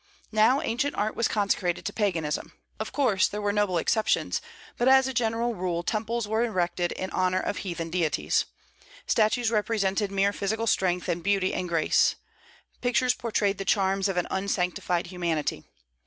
Now ancient art was consecrated to Paganism. Of course there were noble exceptions; but as a general rule temples were erected in honor of heathen deities. Statues represented mere physical strength and beauty and grace. Pictures portrayed the charms of an unsanctified humanity.